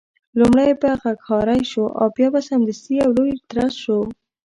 لومړی به غږهارۍ شو او بیا به سمدستي یو لوی درز شو.